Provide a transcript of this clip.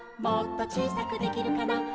「もっとちいさくできるかな」